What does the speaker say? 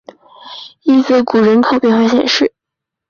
伊泽谷人口变化图示